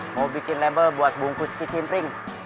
mau bikin label buat bungkus kitchen ring